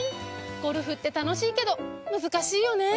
ゴルフって楽しいけど難しいよね。